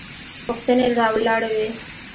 پوښتنې راولاړوي.